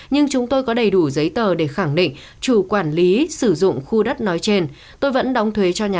nhưng chúng tôi có đầy đủ giấy tờ để khẳng định chủ quản lý sử dụng khu đất nói trên